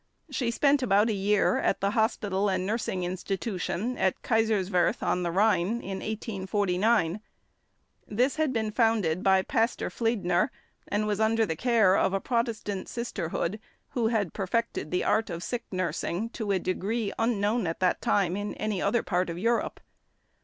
She spent about a year at the hospital and nursing institution at Kaiserswerth on the Rhine in 1849. This had been founded by Pastor Fliedner, and was under the care of a Protestant Sisterhood who had perfected the art of sick nursing to a degree unknown at that time in any other part of Europe.